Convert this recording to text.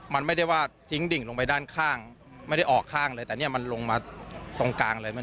มันไม่ได้ว่าทิ้งดิ่งลงไปด้านข้างไม่ได้ออกข้างเลยแต่เนี่ยมันลงมาตรงกลางเลย